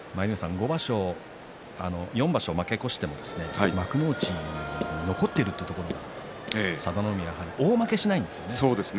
４場所負け越しても幕内に残っているというところも佐田の海は、やはり大負けをしていないですよね。